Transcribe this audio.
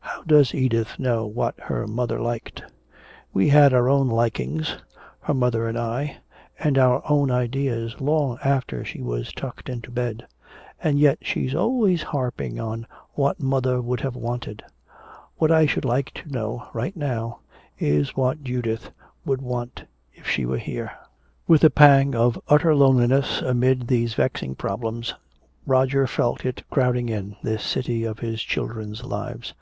How does Edith know what her mother liked? We had our own likings, her mother and I, and our own ideas, long after she was tucked into bed. And yet she's always harping on 'what mother would have wanted.' What I should like to know right now is what Judith would want if she were here!" With a pang of utter loneliness amid these vexing problems, Roger felt it crowding in, this city of his children's lives.